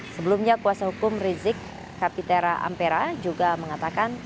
sebelumnya kuasa hukum rizik kapitera ampera juga mengatakan